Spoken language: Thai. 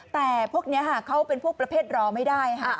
แต่พวกนี้เขาเป็นพวกประเภทรอไม่ได้ค่ะ